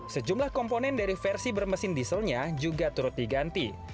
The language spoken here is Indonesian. sejumlah komponen dari versi bermesin dieselnya juga turut diganti